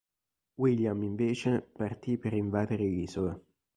William invece partì per invadere l'isola.